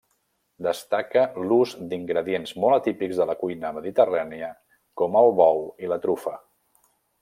Destaca l'ús d'ingredients molt atípics de la cuina mediterrània com el bou i la trufa.